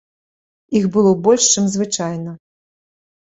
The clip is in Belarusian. Іх было больш чым звычайна.